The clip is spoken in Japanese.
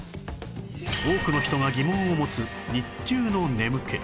多くの人が疑問を持つ日中の眠気